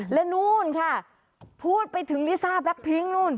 และนู่นค่ะพูดไปถึงลิซ่าแล็คพิ้งนู่น